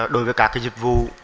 đối với các dịch vụ